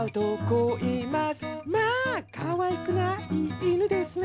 「まあかわいくない犬ですね